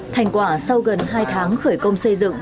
thành quả sau gần hai tháng khởi công xây dựng